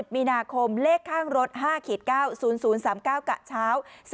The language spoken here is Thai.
มีนาคมเลขข้างรถ๕๙๐๐๓๙กะเช้า